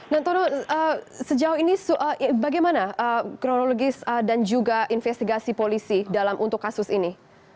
nantoro sejauh ini bagaimana kronologis dan juga investigasi polisi dalam untuk kasus ini